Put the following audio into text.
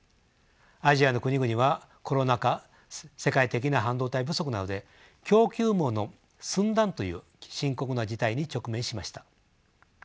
アジアの国々はコロナ禍世界的な半導体不足などで供給網の寸断という深刻な事態に直面しました。